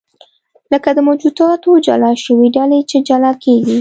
لکه د موجوداتو جلا شوې ډلې چې جلا کېږي.